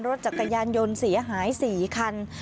รถจักรยานยนต์เสียหาย๔คัน